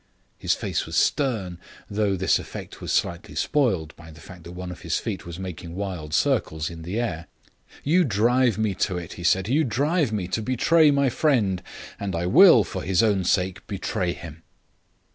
His face was stern, though this effect was slightly spoiled by the fact that one of his feet was making wild circles in the air. "You drive me to it," he said. "You drive me to betray my friend. And I will, for his own sake, betray him."